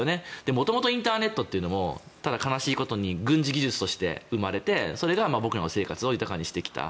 元々インターネットというのも悲しいことに軍事技術として生まれてそれが僕らの生活を豊かにしてきた。